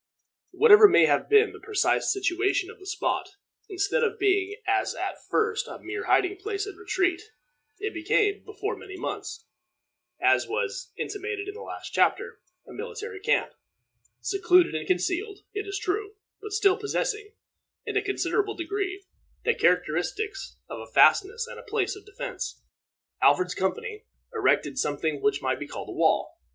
Whatever may have been the precise situation of the spot, instead of being, as at first, a mere hiding place and retreat, it became, before many months, as was intimated in the last chapter, a military camp, secluded and concealed, it is true, but still possessing, in a considerable degree, the characteristics of a fastness and place of defense. Alfred's company erected something which might be called a wall.